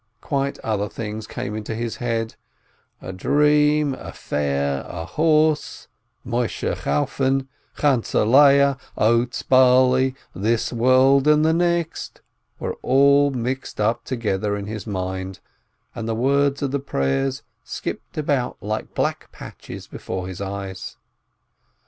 Quite other things came into his head : a dream, a fair, a horse, Moisheh Chalfon, Chantzeh Leah, oats, barley, this world and the next were all mixed up together in his mind, and the words of the prayers skipped about like black patches before his eyes.